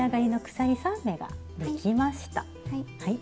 はい。